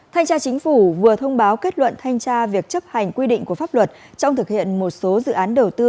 thanh tra chính phủ vừa thông báo kết luận thanh tra việc chấp hành quy định của pháp luật trong thực hiện một số dự án đầu tư